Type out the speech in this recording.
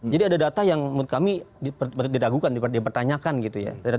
ada data yang menurut kami diragukan dipertanyakan gitu ya